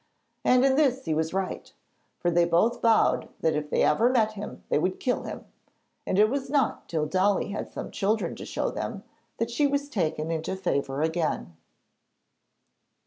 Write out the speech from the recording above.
And in this he was right, for they both vowed that if they ever met him they would kill him; and it was not till Dolly had some children to show them, that she was taken into favour again.